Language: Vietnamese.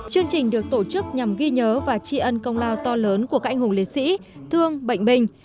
chương trình được tổ chức nhằm ghi nhớ và tri ân công lao to lớn của các anh hùng liệt sĩ thương bệnh bình